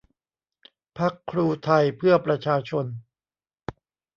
พรรคครูไทยเพื่อประชาชน